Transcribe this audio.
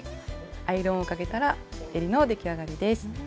アイロンをかけたらえりの出来上がりです。